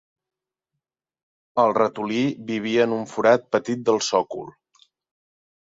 El ratolí vivia en un forat petit del sòcol